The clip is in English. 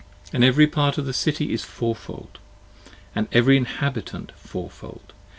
20 And every part of the City is fourfold: & every inhabitant, fourfold.